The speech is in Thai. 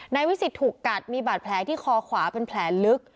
วิสิตถูกกัดมีบาดแผลที่คอขวาเป็นแผลลึก